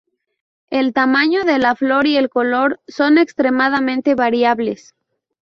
El tamaño de la flor y el color son extremadamente variables.